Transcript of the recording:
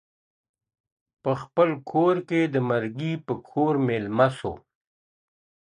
په خپل زړه کي د مرګې پر کور مېلمه سو.